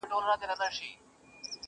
ځو به چي د شمعي پر لار تلل زده کړو،